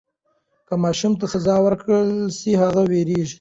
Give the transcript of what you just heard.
که ماشوم ته سزا ورکړل سي هغه وېرېږي.